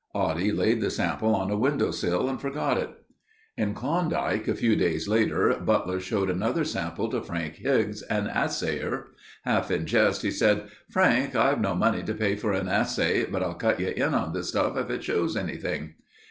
Oddie laid the sample on a window sill and forgot it. In Klondike a few days later, Butler showed another sample to Frank Higgs, an assayer. Half in jest he said: "Frank, I've no money to pay for an assay, but I'll cut you in on this stuff if it shows anything."